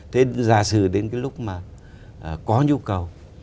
thế giả sử đến cái lúc mà có nhu cầu